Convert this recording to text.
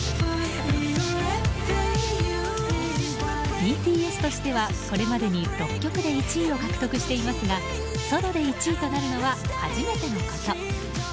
ＢＴＳとしてはこれまでに６曲で１位を獲得していますがソロで１位となるのは初めてのこと。